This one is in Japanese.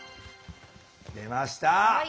出ました！